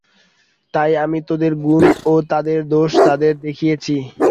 তাই আমি তোদের গুণ ও তাদের দোষ তাদের দেখিয়েছি।